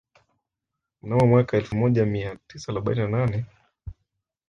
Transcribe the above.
Mnamo mwaka elfu moja mia tisa arobaini na nane